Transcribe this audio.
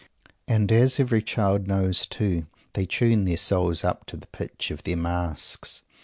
And, as every child knows, too, they tune their souls up to the pitch of their "masks."